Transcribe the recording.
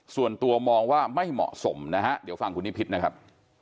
ส่วนตัวมองว่าไม่เหมาะสมนะฮะเดี๋ยวฟังคุณนิพิษนะครับ